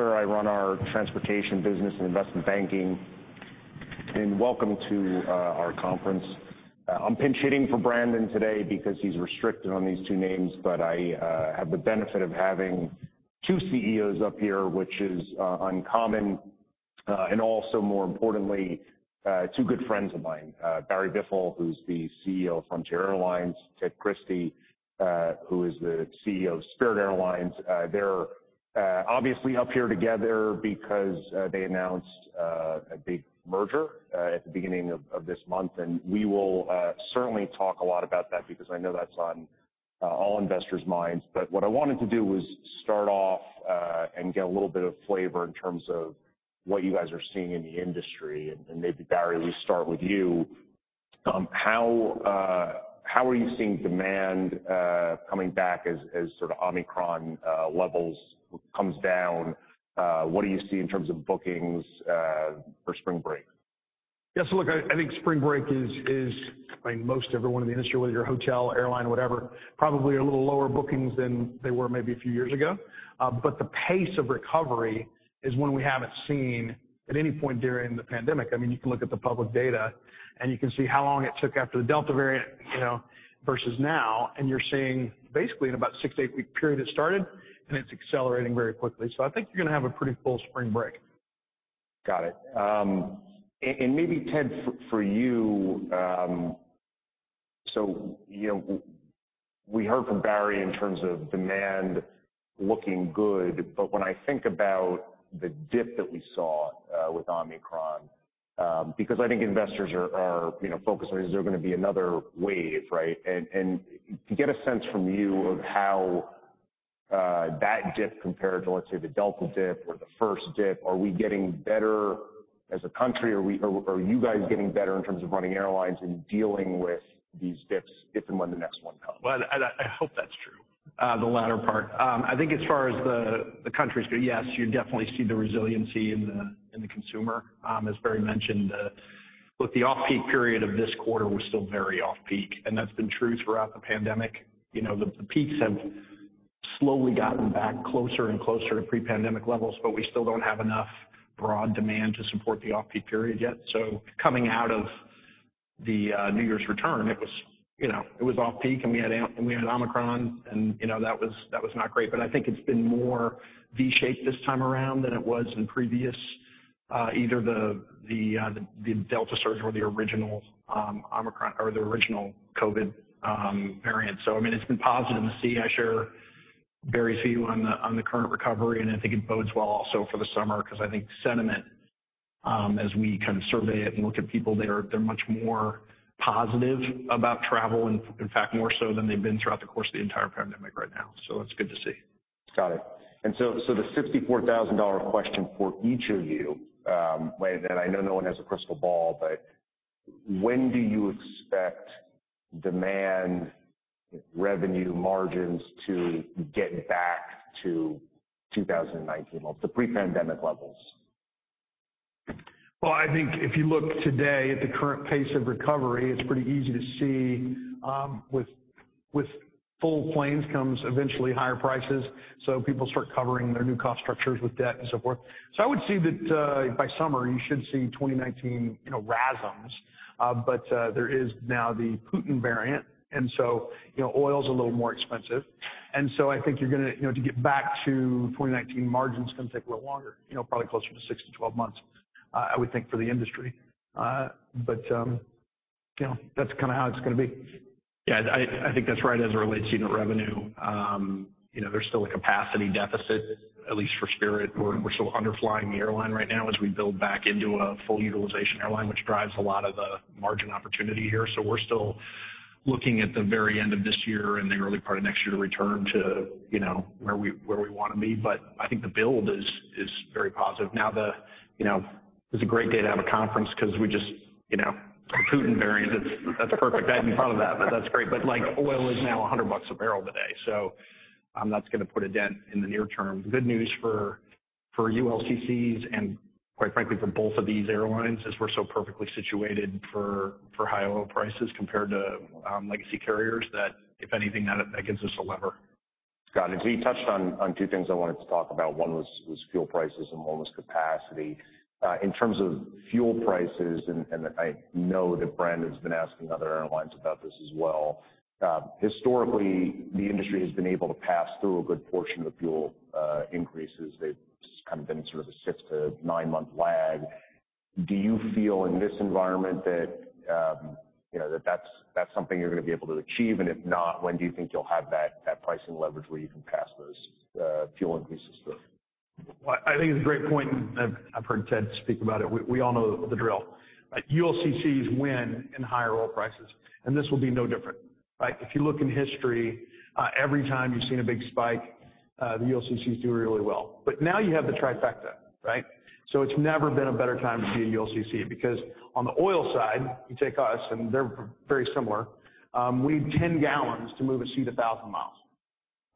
Spirit Aviation, our transportation business and investment banking. Welcome to our conference. I'm pinch hitting for Brandon today because he's restricted on these two names, but I have the benefit of having two CEOs up here, which is uncommon. More importantly, two good friends of mine, Barry Biffle, who's the CEO of Frontier Airlines, Ted Christie, who is the CEO of Spirit Airlines. They're obviously up here together because they announced a big merger at the beginning of this month. We will certainly talk a lot about that because I know that's on all investors' minds. What I wanted to do was start off and get a little bit of flavor in terms of what you guys are seeing in the industry. Maybe, Barry, we start with you. How are you seeing demand coming back as sort of Omicron levels comes down? What do you see in terms of bookings for spring break? Yeah. So look, I think spring break is, I mean, most everyone in the industry, whether you're a hotel, airline, whatever, probably a little lower bookings than they were maybe a few years ago. The pace of recovery is one we haven't seen at any point during the pandemic. I mean, you can look at the public data and you can see how long it took after the Delta variant versus now. You're seeing basically in about a six to eight-week period it started, and it's accelerating very quickly. I think you're going to have a pretty full spring break. Got it. Maybe, Ted, for you, we heard from Barry in terms of demand looking good. When I think about the dip that we saw with Omicron, because I think investors are focused on is there going to be another wave, right? To get a sense from you of how that dip compared to, let's say, the Delta dip or the first dip, are we getting better as a country? Are you guys getting better in terms of running airlines and dealing with these dips if and when the next one comes? I hope that's true, the latter part. I think as far as the country's good, yes, you definitely see the resiliency in the consumer. As Barry mentioned, look, the off-peak period of this quarter was still very off-peak. That's been true throughout the pandemic. The peaks have slowly gotten back closer and closer to pre-pandemic levels, but we still do not have enough broad demand to support the off-peak period yet. Coming out of the New Year's return, it was off-peak and we had Omicron, and that was not great. I think it's been more V-shaped this time around than it was in previous either the Delta surge or the original Omicron or the original COVID variant. I mean, it's been positive to see. I share very few on the current recovery. I think it bodes well also for the summer because I think sentiment, as we kind of survey it and look at people, they're much more positive about travel and, in fact, more so than they've been throughout the course of the entire pandemic right now. That is good to see. Got it. The $64,000 question for each of you, and I know no one has a crystal ball, but when do you expect demand, revenue, margins to get back to 2019, the pre-pandemic levels? I think if you look today at the current pace of recovery, it's pretty easy to see with full planes comes eventually higher prices. People start covering their new cost structures with debt and so forth. I would see that by summer, you should see 2019 RASM. There is now the Putin variant, and oil is a little more expensive. I think you're going to get back to 2019 margins, can take a little longer, probably closer to 6-12 months, I would think for the industry. That's kind of how it's going to be. Yeah. I think that's right as it relates to revenue. There's still a capacity deficit, at least for Spirit. We're still underflying the airline right now as we build back into a full utilization airline, which drives a lot of the margin opportunity here. We're still looking at the very end of this year and the early part of next year to return to where we want to be. I think the build is very positive. Now, it's a great day to have a conference because we just for Putin variant, that's perfect. I hadn't thought of that, but that's great. Oil is now $100 a barrel today. That's going to put a dent in the near term. Good news for ULCCs and, quite frankly, for both of these airlines is we're so perfectly situated for high oil prices compared to legacy carriers that, if anything, that gives us a lever. Got it. You touched on two things I wanted to talk about. One was fuel prices and one was capacity. In terms of fuel prices, and I know that Brandon's been asking other airlines about this as well. Historically, the industry has been able to pass through a good portion of the fuel increases. They've kind of been sort of a six to nine-month lag. Do you feel in this environment that that's something you're going to be able to achieve? If not, when do you think you'll have that pricing leverage where you can pass those fuel increases through? I think it's a great point. I've heard Ted speak about it. We all know the drill. ULCCs win in higher oil prices, and this will be no different, right? If you look in history, every time you've seen a big spike, the ULCCs do really well. Now you have the trifecta, right? It's never been a better time to be a ULCC because on the oil side, you take us, and they're very similar. We need 10 gallons to move a seat 1,000 miles,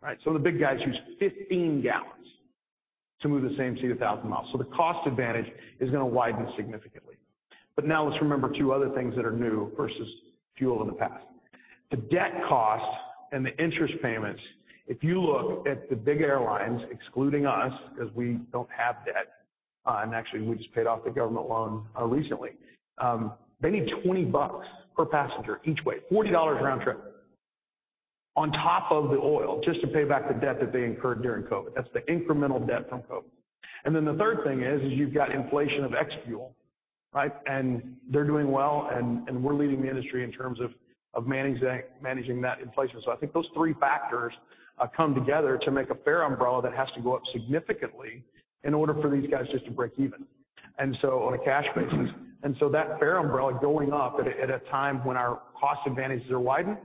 right? The big guys use 15 gallons to move the same seat 1,000 miles. The cost advantage is going to widen significantly. Now let's remember two other things that are new versus fuel in the past. The debt cost and the interest payments, if you look at the big airlines, excluding us because we do not have debt, and actually we just paid off the government loan recently, they need $20 per passenger each way, $40 round trip, on top of the oil just to pay back the debt that they incurred during COVID. That is the incremental debt from COVID. The third thing is you have got inflation of ex-fuel. They are doing well, and we are leading the industry in terms of managing that inflation. I think those three factors come together to make a fare umbrella that has to go up significantly in order for these guys just to break even. On a cash basis. That fare umbrella going up at a time when our cost advantages are widened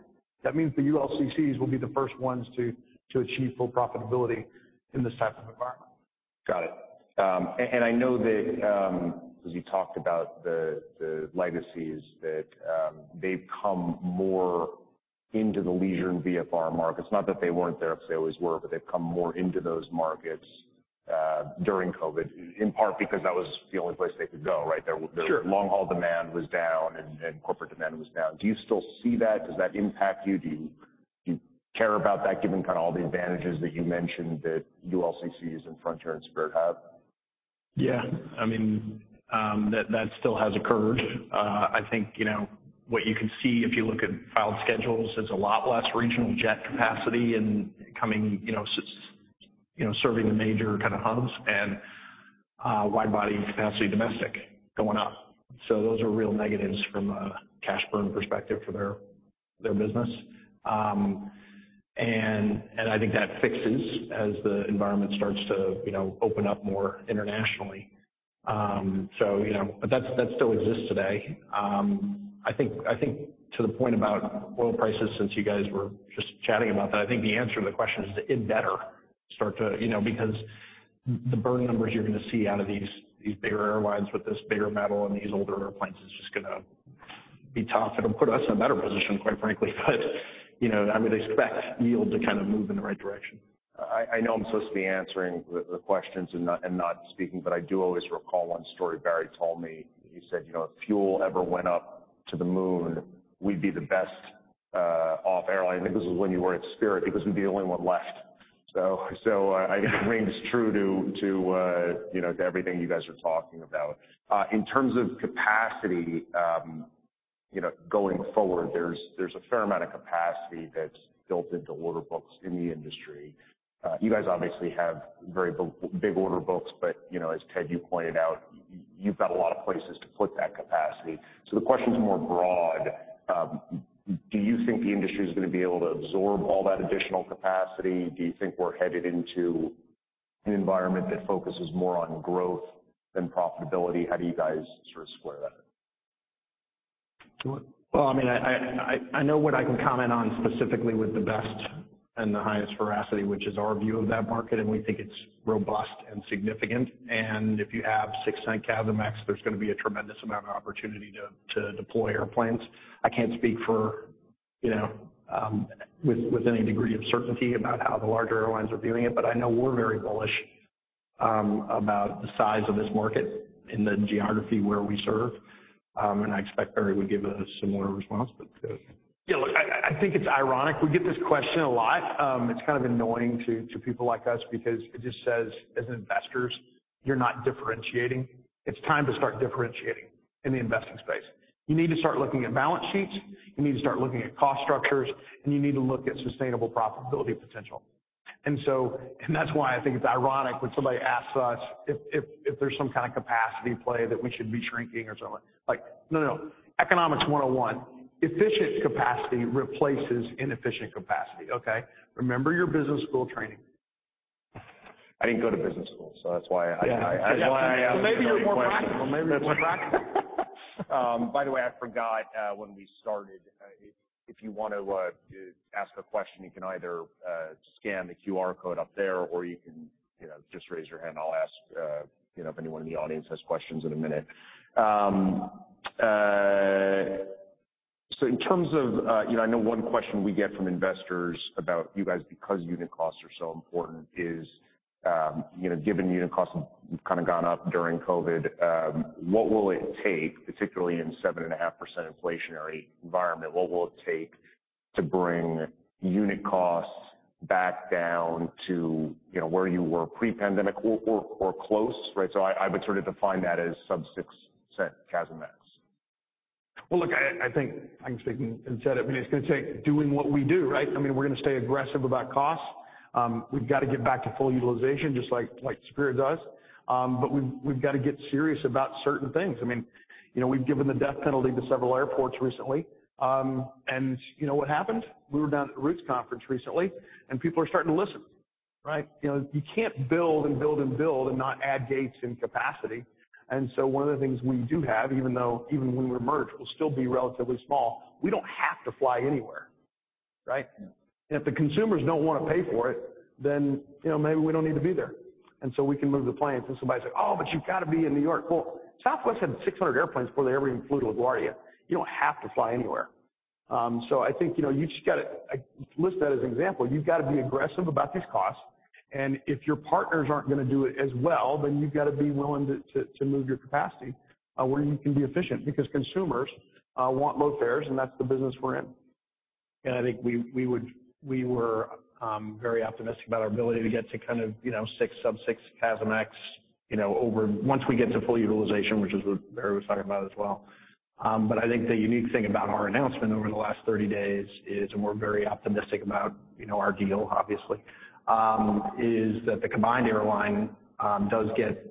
means the ULCCs will be the first ones to achieve full profitability in this type of environment. Got it. I know that because you talked about the legacies, that they've come more into the leisure and VFR markets. Not that they weren't there, because they always were, but they've come more into those markets during COVID, in part because that was the only place they could go, right? Their long-haul demand was down and corporate demand was down. Do you still see that? Does that impact you? Do you care about that, given kind of all the advantages that you mentioned that ULCCs and Frontier and Spirit have? Yeah. I mean, that still has occurred. I think what you can see if you look at filed schedules, it's a lot less regional jet capacity and serving the major kind of hubs and wide-body capacity domestic going up. Those are real negatives from a cash burn perspective for their business. I think that fixes as the environment starts to open up more internationally. That still exists today. I think to the point about oil prices, since you guys were just chatting about that, I think the answer to the question is to id better start to because the burn numbers you're going to see out of these bigger airlines with this bigger metal and these older airplanes is just going to be tough. It'll put us in a better position, quite frankly, but I would expect yield to kind of move in the right direction. I know I'm supposed to be answering the questions and not speaking, but I do always recall one story Barry told me. He said, "If fuel ever went up to the moon, we'd be the best off airline." I think this was when you were at Spirit because we'd be the only one left. I think it rings true to everything you guys are talking about. In terms of capacity, going forward, there's a fair amount of capacity that's built into order books in the industry. You guys obviously have very big order books, but as Ted, you pointed out, you've got a lot of places to put that capacity. The question's more broad. Do you think the industry is going to be able to absorb all that additional capacity? Do you think we're headed into an environment that focuses more on growth than profitability? How do you guys sort of square that? I mean, I know what I can comment on specifically with the best and the highest veracity, which is our view of that market, and we think it's robust and significant. If you have six-cent CASM max, there's going to be a tremendous amount of opportunity to deploy airplanes. I can't speak for with any degree of certainty about how the larger airlines are viewing it, but I know we're very bullish about the size of this market in the geography where we serve. I expect Barry would give a similar response, but. Yeah. Look, I think it's ironic. We get this question a lot. It's kind of annoying to people like us because it just says, as investors, you're not differentiating. It's time to start differentiating in the investing space. You need to start looking at balance sheets. You need to start looking at cost structures, and you need to look at sustainable profitability potential. That's why I think it's ironic when somebody asks us if there's some kind of capacity play that we should be shrinking or something. No, no, no. Economics 101. Efficient capacity replaces inefficient capacity. Okay? Remember your business school training. I didn't go to business school, so that's why I asked. Yeah. Maybe you're more practical. By the way, I forgot when we started, if you want to ask a question, you can either scan the QR code up there or you can just raise your hand. I'll ask if anyone in the audience has questions in a minute. In terms of I know one question we get from investors about you guys because unit costs are so important is given unit costs have kind of gone up during COVID, what will it take, particularly in a 7.5% inflationary environment, what will it take to bring unit costs back down to where you were pre-pandemic or close, right? I would sort of define that as sub-6-cent CASM max. I think I can speak instead. I mean, it's going to take doing what we do, right? I mean, we're going to stay aggressive about costs. We've got to get back to full utilization just like Spirit does. We've got to get serious about certain things. I mean, we've given the death penalty to several airports recently. What happened? We were down at the Roots Conference recently, and people are starting to listen, right? You can't build and build and build and not add gates in capacity. One of the things we do have, even when we're merged, will still be relatively small. We don't have to fly anywhere, right? If the consumers don't want to pay for it, then maybe we don't need to be there. We can move the planes. Somebody says, "Oh, but you've got to be in New York." Southwest had 600 airplanes before they ever even flew to LaGuardia. You do not have to fly anywhere. I think you just got to list that as an example. You have to be aggressive about these costs. If your partners are not going to do it as well, then you have to be willing to move your capacity where you can be efficient because consumers want low fares, and that is the business we are in. I think we were very optimistic about our ability to get to kind of sub-6, 6 max over once we get to full utilization, which is what Barry was talking about as well. I think the unique thing about our announcement over the last 30 days is, and we're very optimistic about our deal, obviously, is that the combined airline does get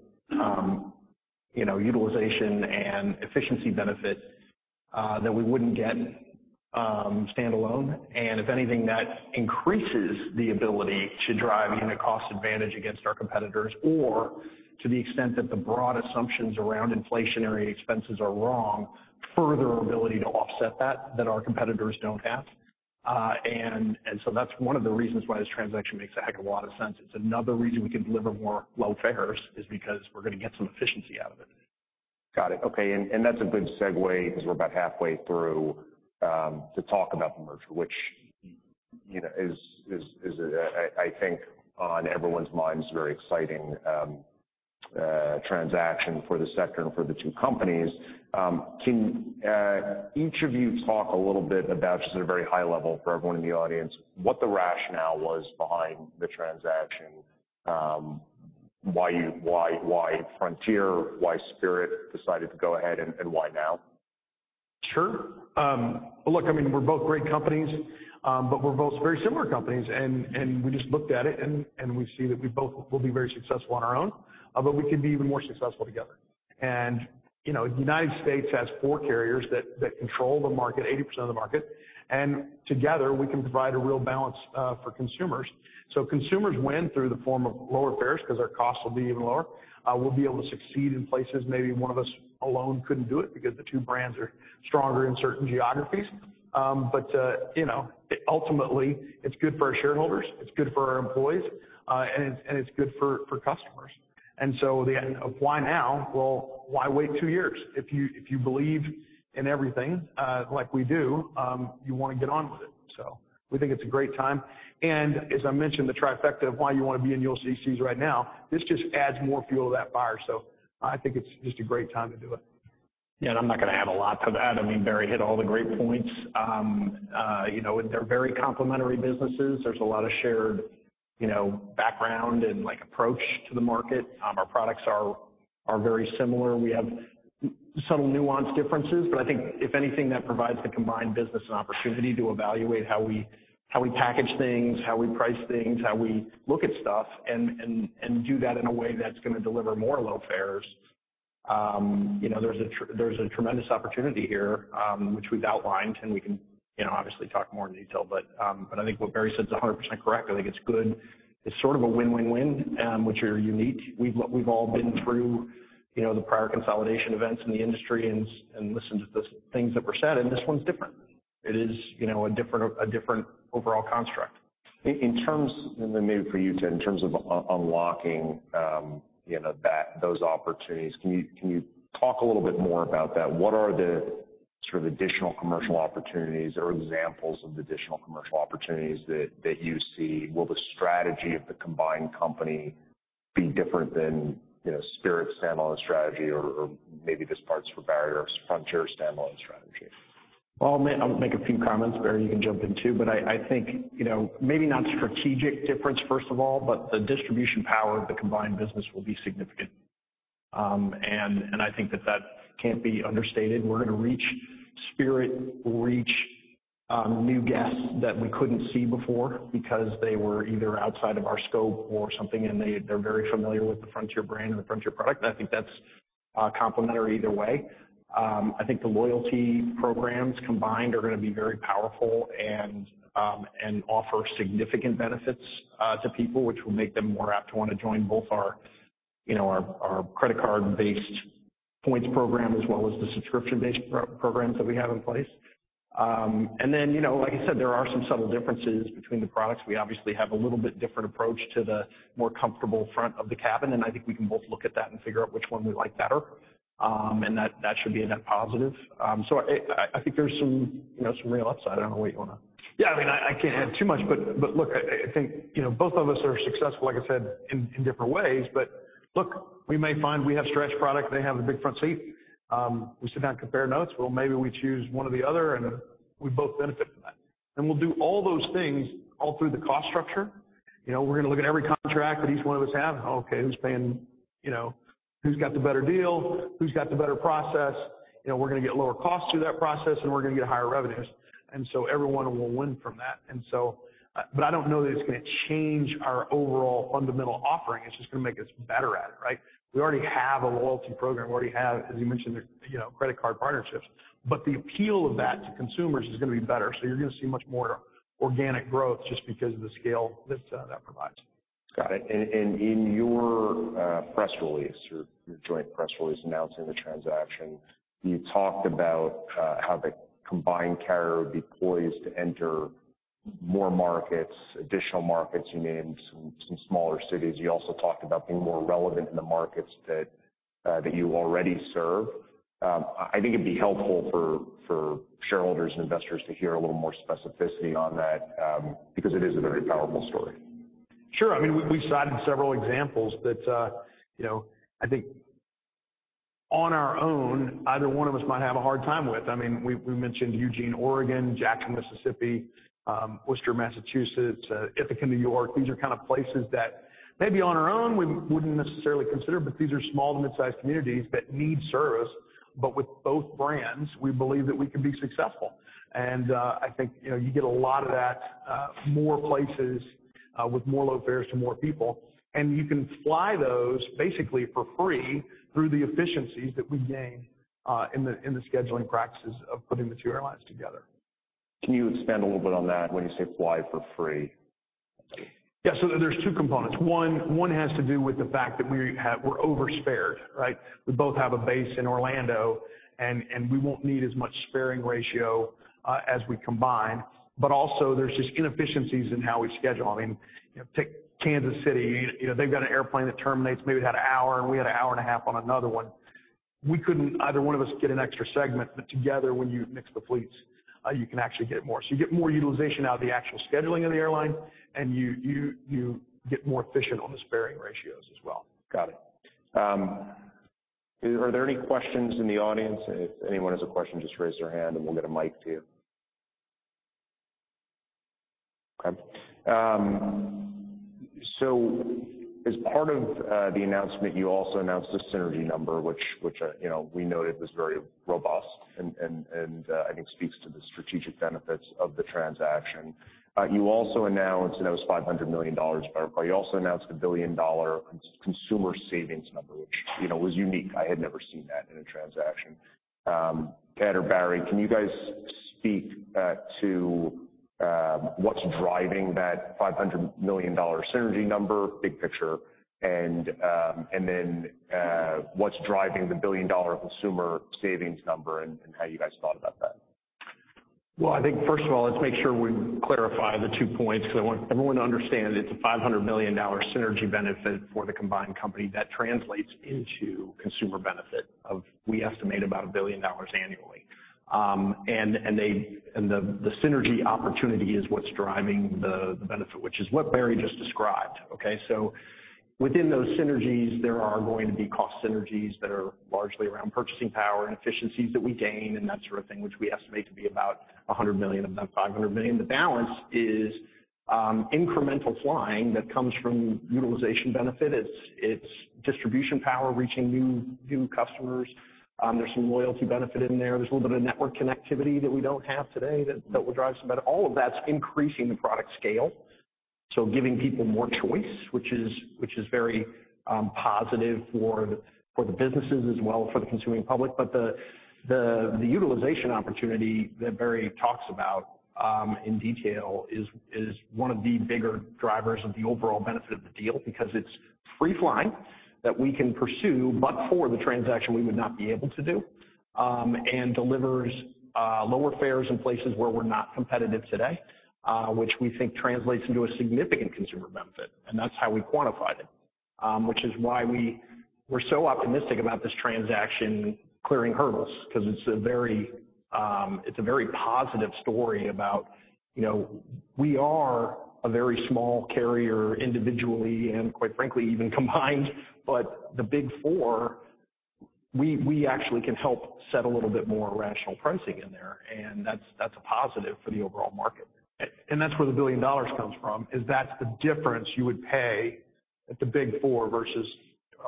utilization and efficiency benefit that we would not get standalone. If anything, that increases the ability to drive unit cost advantage against our competitors or to the extent that the broad assumptions around inflationary expenses are wrong, further ability to offset that that our competitors do not have. That is one of the reasons why this transaction makes a heck of a lot of sense. It's another reason we can deliver more low fares is because we're going to get some efficiency out of it. Got it. Okay. That is a good segue because we are about halfway through to talk about the merger, which is, I think, on everyone's minds, very exciting transaction for the sector and for the two companies. Can each of you talk a little bit about, just at a very high level for everyone in the audience, what the rationale was behind the transaction, why Frontier, why Spirit decided to go ahead, and why now? Sure. Look, I mean, we're both great companies, but we're both very similar companies. We just looked at it, and we see that we both will be very successful on our own, but we could be even more successful together. The U.S. has four carriers that control the market, 80% of the market. Together, we can provide a real balance for consumers. Consumers win through the form of lower fares because our costs will be even lower. We'll be able to succeed in places maybe one of us alone couldn't do it because the two brands are stronger in certain geographies. Ultimately, it's good for our shareholders. It's good for our employees, and it's good for customers. The end of why now, why wait two years? If you believe in everything like we do, you want to get on with it. We think it's a great time. As I mentioned, the trifecta of why you want to be in ULCCs right now, this just adds more fuel to that fire. I think it's just a great time to do it. Yeah. I'm not going to add a lot to that. I mean, Barry hit all the great points. They're very complementary businesses. There's a lot of shared background and approach to the market. Our products are very similar. We have subtle nuanced differences, but I think if anything, that provides the combined business an opportunity to evaluate how we package things, how we price things, how we look at stuff, and do that in a way that's going to deliver more low fares. There's a tremendous opportunity here, which we've outlined, and we can obviously talk more in detail. I think what Barry said is 100% correct. I think it's good. It's sort of a win-win-win, which are unique. We've all been through the prior consolidation events in the industry and listened to the things that were said, and this one's different. It is a different overall construct. Maybe for you too, in terms of unlocking those opportunities, can you talk a little bit more about that? What are the sort of additional commercial opportunities or examples of the additional commercial opportunities that you see? Will the strategy of the combined company be different than Spirit's standalone strategy or maybe this part's for Barry or Frontier's standalone strategy? I'll make a few comments. Barry, you can jump in too. I think maybe not strategic difference, first of all, but the distribution power of the combined business will be significant. I think that that can't be understated. We're going to reach Spirit, reach new guests that we couldn't see before because they were either outside of our scope or something, and they're very familiar with the Frontier brand and the Frontier product. I think that's complementary either way. I think the loyalty programs combined are going to be very powerful and offer significant benefits to people, which will make them more apt to want to join both our credit card-based points program as well as the subscription-based programs that we have in place. Like I said, there are some subtle differences between the products. We obviously have a little bit different approach to the more comfortable front of the cabin, and I think we can both look at that and figure out which one we like better. That should be a net positive. I think there's some real upside. I don't know what you want to. Yeah. I mean, I can't add too much, but look, I think both of us are successful, like I said, in different ways. Look, we may find we have stretch product. They have a big front seat. We sit down and compare notes. Maybe we choose one or the other, and we both benefit from that. We'll do all those things all through the cost structure. We're going to look at every contract that each one of us have. Okay, who's paying? Who's got the better deal? Who's got the better process? We're going to get lower costs through that process, and we're going to get higher revenues. Everyone will win from that. I don't know that it's going to change our overall fundamental offering. It's just going to make us better at it, right? We already have a loyalty program. We already have, as you mentioned, credit card partnerships. The appeal of that to consumers is going to be better. You're going to see much more organic growth just because of the scale that that provides. Got it. In your press release, your joint press release announcing the transaction, you talked about how the combined carrier deploys to enter more markets, additional markets. You named some smaller cities. You also talked about being more relevant in the markets that you already serve. I think it'd be helpful for shareholders and investors to hear a little more specificity on that because it is a very powerful story. Sure. I mean, we've cited several examples that I think on our own, either one of us might have a hard time with. I mean, we mentioned Eugene, Oregon, Jackson, Mississippi, Worcester, Massachusetts, Ithaca, New York. These are kind of places that maybe on our own, we wouldn't necessarily consider, but these are small to mid-sized communities that need service. With both brands, we believe that we can be successful. I think you get a lot of that—more places with more low fares to more people. You can fly those basically for free through the efficiencies that we gain in the scheduling practices of putting the two airlines together. Can you expand a little bit on that when you say fly for free? Yeah. So there's two components. One has to do with the fact that we're overspared, right? We both have a base in Orlando, and we won't need as much sparing ratio as we combine. Also, there's just inefficiencies in how we schedule. I mean, take Kansas City. They've got an airplane that terminates maybe at an hour, and we had an hour and a half on another one. We couldn't, either one of us, get an extra segment. Together, when you mix the fleets, you can actually get more. You get more utilization out of the actual scheduling of the airline, and you get more efficient on the sparing ratios as well. Got it. Are there any questions in the audience? If anyone has a question, just raise their hand, and we'll get a mic to you. Okay. As part of the announcement, you also announced a synergy number, which we noted was very robust and I think speaks to the strategic benefits of the transaction. You also announced, and that was $500 million, but you also announced a billion-dollar consumer savings number, which was unique. I had never seen that in a transaction. Ed or Barry, can you guys speak to what's driving that $500 million synergy number, big picture, and then what's driving the billion-dollar consumer savings number and how you guys thought about that? I think, first of all, let's make sure we clarify the two points because I want everyone to understand it's a $500 million synergy benefit for the combined company that translates into consumer benefit of we estimate about a billion dollars annually. The synergy opportunity is what's driving the benefit, which is what Barry just described, okay? Within those synergies, there are going to be cost synergies that are largely around purchasing power and efficiencies that we gain and that sort of thing, which we estimate to be about $100 million of that $500 million. The balance is incremental flying that comes from utilization benefit. It's distribution power reaching new customers. There's some loyalty benefit in there. There's a little bit of network connectivity that we don't have today that will drive some better. All of that's increasing the product scale, so giving people more choice, which is very positive for the businesses as well as for the consuming public. The utilization opportunity that Barry talks about in detail is one of the bigger drivers of the overall benefit of the deal because it's free flying that we can pursue, but for the transaction we would not be able to do, and delivers lower fares in places where we're not competitive today, which we think translates into a significant consumer benefit. That's how we quantified it, which is why we're so optimistic about this transaction clearing hurdles because it's a very positive story about we are a very small carrier individually and, quite frankly, even combined, but the Big Four, we actually can help set a little bit more rational pricing in there. That's a positive for the overall market. That is where the billion dollars comes from, is that is the difference you would pay at the Big Four versus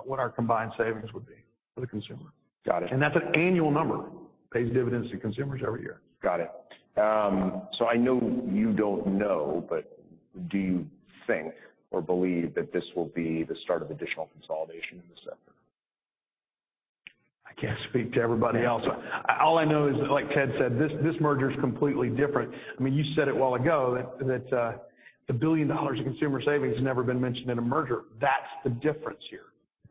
what our combined savings would be for the consumer. That is an annual number. Pays dividends to consumers every year. Got it. I know you don't know, but do you think or believe that this will be the start of additional consolidation in the sector? I can't speak to everybody else. All I know is, like Ted said, this merger is completely different. I mean, you said it a while ago that the $1 billion of consumer savings has never been mentioned in a merger. That's the difference here,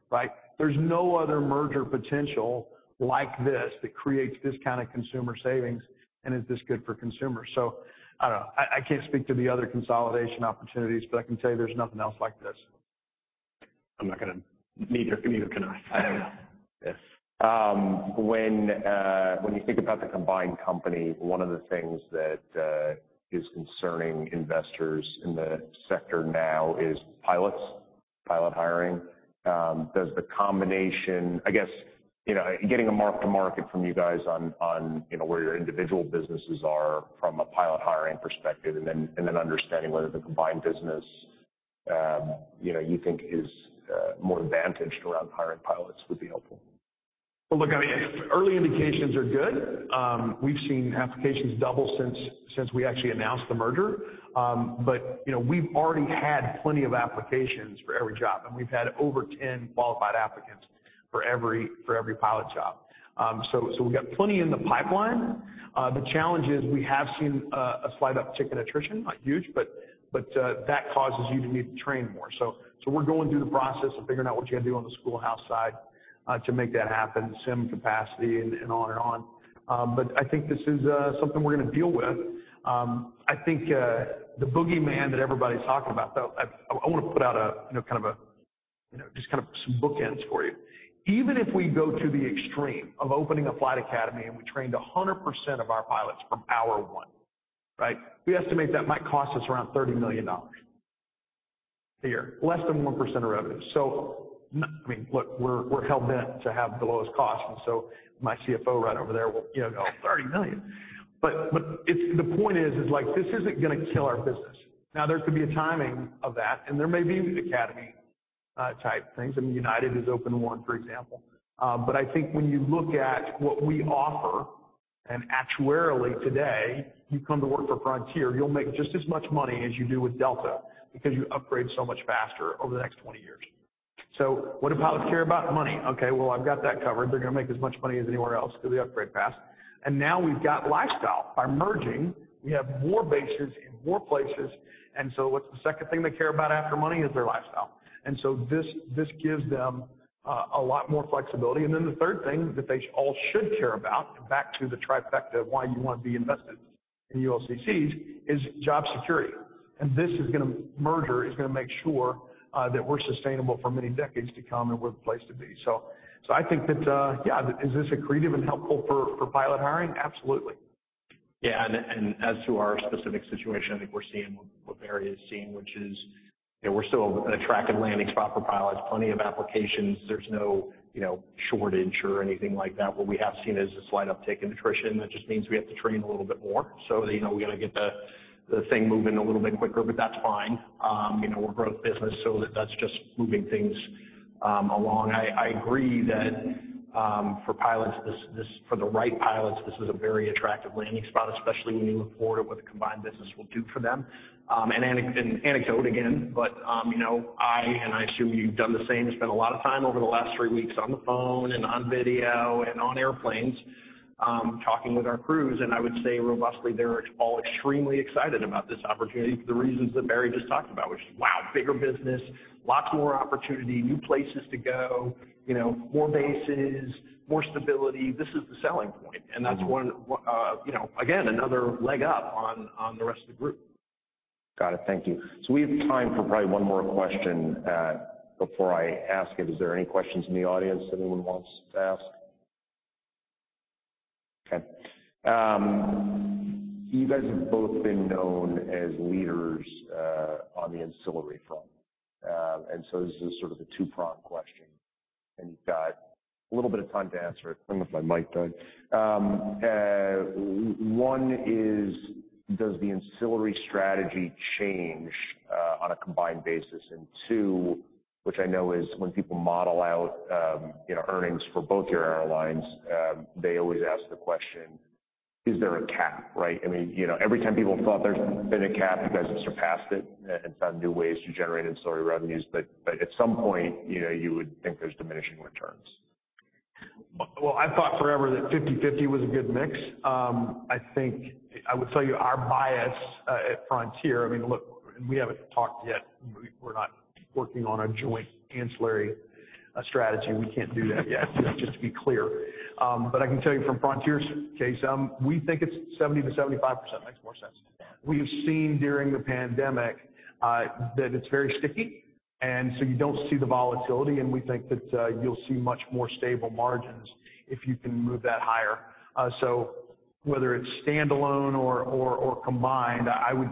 right? There's no other merger potential like this that creates this kind of consumer savings, and is this good for consumers? I don't know. I can't speak to the other consolidation opportunities, but I can tell you there's nothing else like this. I'm not going to, neither can I. Yes. When you think about the combined company, one of the things that is concerning investors in the sector now is pilots, pilot hiring. Does the combination, I guess, getting a mark-to-market from you guys on where your individual businesses are from a pilot hiring perspective and then understanding whether the combined business you think is more advantaged around hiring pilots would be helpful? Look, early indications are good. We've seen applications double since we actually announced the merger. We've already had plenty of applications for every job, and we've had over 10 qualified applicants for every pilot job. We've got plenty in the pipeline. The challenge is we have seen a slight uptick in attrition, not huge, but that causes you to need to train more. We're going through the process of figuring out what you got to do on the schoolhouse side to make that happen, SIM capacity, and on and on. I think this is something we're going to deal with. I think the boogeyman that everybody's talking about, though, I want to put out kind of just kind of some bookends for you. Even if we go to the extreme of opening a flight academy and we trained 100% of our pilots from hour one, right, we estimate that might cost us around $30 million a year, less than 1% of revenue. I mean, look, we're hell-bent to have the lowest cost. My CFO right over there will go, "30 million." The point is, this isn't going to kill our business. There could be a timing of that, and there may be academy-type things. United has opened one, for example. I think when you look at what we offer, and actuarially today, you come to work for Spirit, you'll make just as much money as you do with Delta because you upgrade so much faster over the next 20 years. What do pilots care about? Money. I mean, I've got that covered. They're going to make as much money as anywhere else because they upgrade fast. Now we've got lifestyle. By merging, we have more bases in more places. What's the second thing they care about after money is their lifestyle. This gives them a lot more flexibility. The third thing that they all should care about, back to the trifecta of why you want to be invested in ULCCs, is job security. This merger is going to make sure that we're sustainable for many decades to come and we're the place to be. I think that, yeah, is this accretive and helpful for pilot hiring? Absolutely. Yeah. As to our specific situation, I think we're seeing what Barry is seeing, which is we're still a track and landing spot for pilots, plenty of applications. There's no shortage or anything like that. What we have seen is a slight uptick in attrition. That just means we have to train a little bit more. We got to get the thing moving a little bit quicker, but that's fine. We're a growth business, so that's just moving things along. I agree that for pilots, for the right pilots, this is a very attractive landing spot, especially when you look forward at what the combined business will do for them. Anecdote, again, but I, and I assume you've done the same, spent a lot of time over the last three weeks on the phone and on video and on airplanes talking with our crews. I would say robustly, they're all extremely excited about this opportunity for the reasons that Barry just talked about, which is, wow, bigger business, lots more opportunity, new places to go, more bases, more stability. This is the selling point. That's one, again, another leg up on the rest of the group. Got it. Thank you. We have time for probably one more question before I ask it. Is there any questions in the audience that anyone wants to ask? Okay. You guys have both been known as leaders on the ancillary front. This is sort of a two-pronged question. You have a little bit of time to answer it. I'm going to put my mic down. One is, does the ancillary strategy change on a combined basis? Two, which I know is when people model out earnings for both your airlines, they always ask the question, is there a cap, right? I mean, every time people thought there's been a cap, you guys have surpassed it and found new ways to generate ancillary revenues. At some point, you would think there's diminishing returns. I've thought forever that 50/50 was a good mix. I think I would tell you our bias at Frontier, I mean, look, and we haven't talked yet. We're not working on a joint ancillary strategy. We can't do that yet, just to be clear. I can tell you from Frontier's case, we think it's 70-75%. Makes more sense. We have seen during the pandemic that it's very sticky. You don't see the volatility. We think that you'll see much more stable margins if you can move that higher. Whether it's standalone or combined, I would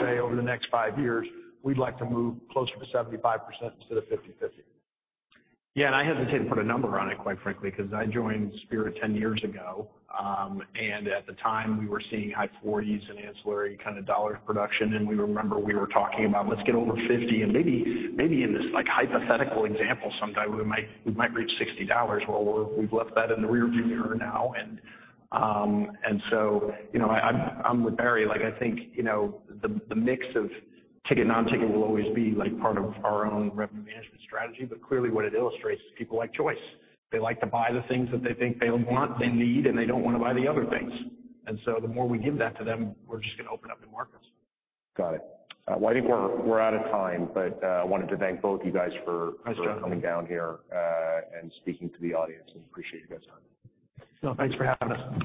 say over the next five years, we'd like to move closer to 75% instead of 50/50. Yeah. I hesitate to put a number on it, quite frankly, because I joined Spirit 10 years ago. At the time, we were seeing high 40s in ancillary kind of dollars production. I remember we were talking about, "Let's get over 50." Maybe in this hypothetical example, someday we might reach $60. We have left that in the rearview mirror now. I am with Barry. I think the mix of ticket-non-ticket will always be part of our own revenue management strategy. Clearly, what it illustrates is people like choice. They like to buy the things that they think they want, they need, and they do not want to buy the other things. The more we give that to them, we are just going to open up new markets. Got it. I think we're out of time, but I wanted to thank both of you guys for coming down here and speaking to the audience. I appreciate you guys' time. No, thanks for having us.